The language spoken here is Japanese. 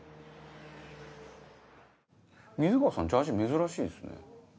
珍しいですね。